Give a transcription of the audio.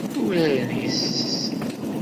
Uraren yes-s.